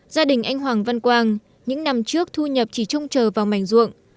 gia đình anh hoàng văn quang những năm trước thu nhập chỉ trông chờ vào mảnh ruộng